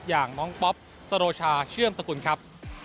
อย่างน้องป๊อปสโรชาเชื่อมสกุลครับ